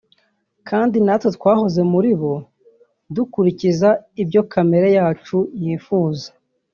Kandi natwe twahoze muri bo dukurikiza ibyo kamere yacu yifuza